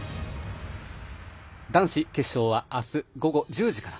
男子決勝は、明日午後１０時から。